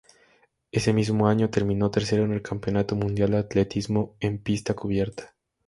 Ese mismo año terminó tercero en el Campeonato Mundial de Atletismo en Pista Cubierta.